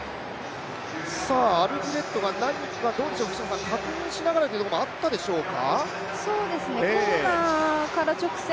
アルフレッドが何か確認しながらというところもあったでしょうか。